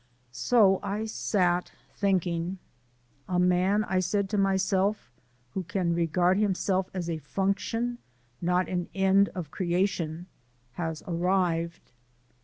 So I sat thinking. "A man," I said to myself, "who can regard himself as a function, not an end of creation, has arrived."